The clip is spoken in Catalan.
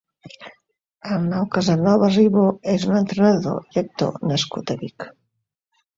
Arnau Casanovas Ribó és un entrenedor i actor nascut a Vic.